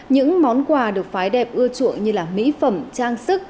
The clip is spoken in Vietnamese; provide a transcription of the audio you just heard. những món quà được phái đẹp ưa chuộng như mỹ phẩm trang sức